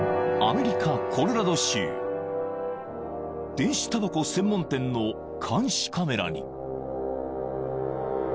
［電子たばこ専門店の監視カメラに］